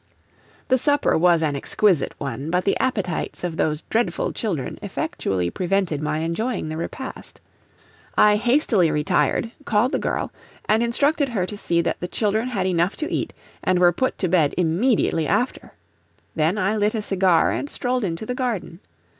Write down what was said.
The supper was an exquisite one, but the appetites of those dreadful children effectually prevented my enjoying the repast. I hastily retired, called the girl, and instructed, her to see that the children had enough to eat, and were put to bed immediately after; then I lit a cigar and strolled into the garden.